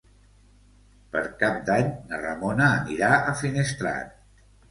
Per Cap d'Any na Ramona anirà a Finestrat.